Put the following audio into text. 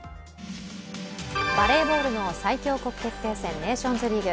バレーボールの最強国決定戦、ネーションズリーグ。